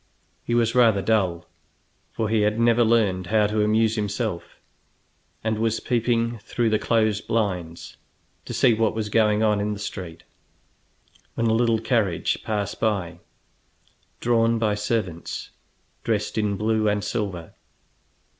He was rather dull, for he had never learned how to amuse himself, and was peeping through the closed blinds to see what was going on in the street, when a little carriage passed by, drawn by servants dressed in blue and silver.